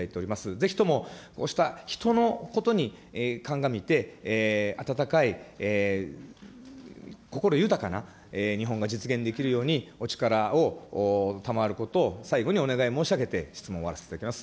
ぜひともこうした人のことに鑑みて、温かい心豊かな日本が実現できるように、お力を賜ることを最後にお願い申し上げて、質問を終わらせていただきます。